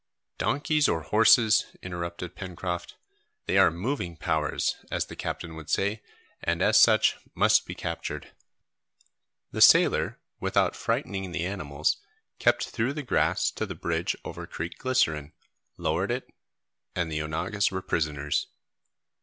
"Donkeys or horses," interrupted Pencroft, "they are 'moving powers,' as the captain would say, and as such must be captured!" The sailor, without frightening the animals, crept through the grass to the bridge over Creek Glycerine, lowered it, and the onagas were prisoners.